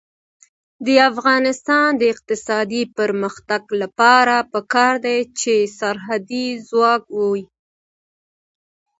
د افغانستان د اقتصادي پرمختګ لپاره پکار ده چې سرحدي ځواک وي.